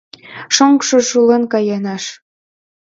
Шоҥжо шулен каялеш.